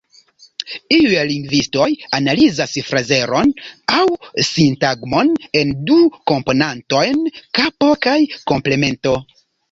Iuj lingvistoj analizas frazeron, aŭ sintagmon, en du komponantojn: kapo kaj komplemento.